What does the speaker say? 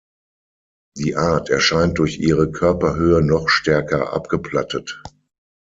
Die Art erscheint durch ihre Körperhöhe noch stärker abgeplattet.